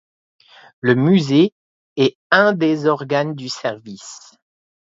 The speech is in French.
Le musée est un des organes du Service.